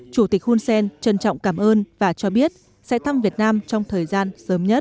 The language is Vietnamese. chủ tịch hun sen trân trọng cảm ơn và cho biết sẽ thăm việt nam trong thời gian sớm nhất